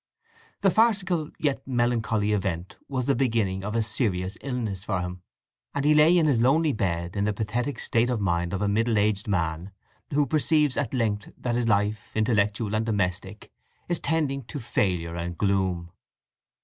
The farcical yet melancholy event was the beginning of a serious illness for him; and he lay in his lonely bed in the pathetic state of mind of a middle aged man who perceives at length that his life, intellectual and domestic, is tending to failure and gloom.